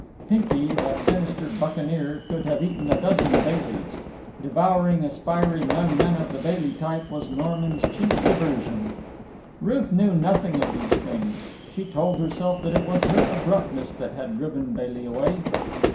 Pinkey, that sinister buccaneer, could have eaten a dozen Baileys. Devouring aspiring young men of the Bailey type was Norman's chief diversion. Ruth knew nothing of these things. She told herself that it was her abruptness that had driven Bailey away.